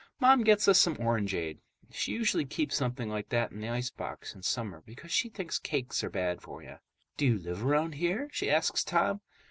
Mom gets us some orangeade. She usually keeps something like that in the icebox in summer, because she thinks cokes are bad for you. "Do you live around here?" she asks Tom.